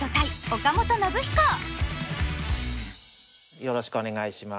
よろしくお願いします。